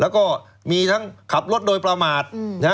แล้วก็มีทั้งขับรถโดยประมาท